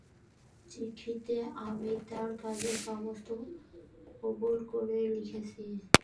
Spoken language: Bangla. চিঠিতে আমি তার কাছে সমস্তই কবুল করে লিখেছি।